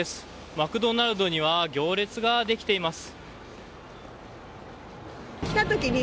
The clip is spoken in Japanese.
マクドナルドには行列ができています。